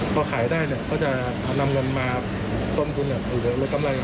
พอขายได้ก็จะนำเงินมาต้นภูมิหรือกำไร